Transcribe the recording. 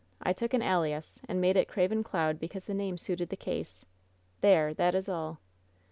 I took an alias, and I made it Craven Cloud because the name suited the case. There! that is all."